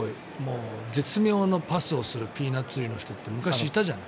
絶妙のパスをするピーナッツ売りの人って昔、いたじゃない。